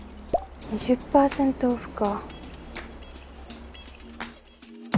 ２０％オフか。